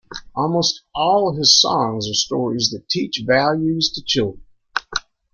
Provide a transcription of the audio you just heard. Almost all his songs are stories that teach values to children.